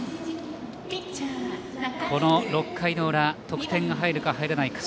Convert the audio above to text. ６回の裏、得点が入るか入らないか。